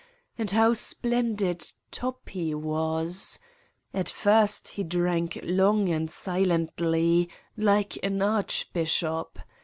And how splendid Toppi was ! At first he drank long and silently, like an archbishop.